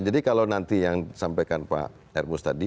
jadi kalau nanti yang sampaikan pak hermus tadi